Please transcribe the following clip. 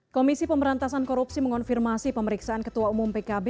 komisi pemberantasan korupsi mengonfirmasi pemeriksaan ketua umum pkb